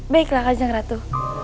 baiklah kajang ratu